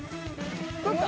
ちょっと。